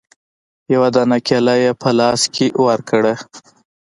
يوه دانه کېله يې په لاس کښې ورکړه.